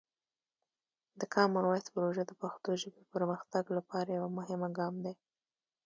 د کامن وایس پروژه د پښتو ژبې پرمختګ لپاره یوه مهمه ګام دی.